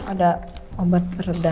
ada obat beredar